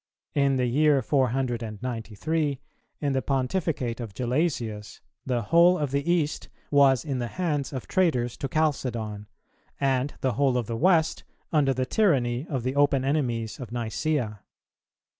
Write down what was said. In the year 493, in the Pontificate of Gelasius, the whole of the East was in the hands of traitors to Chalcedon, and the whole of the West under the tyranny of the open enemies of Nicæa.